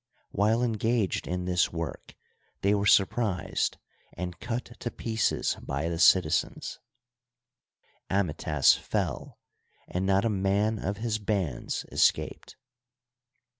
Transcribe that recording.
While engaged in this work they were surprised and cut to pieces by the citizens ; Amytas fell, and not a man of his bands escaped.